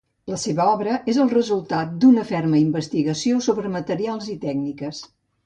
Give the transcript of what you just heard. La seva obra és el resultat d'una ferma investigació sobre materials i tècniques.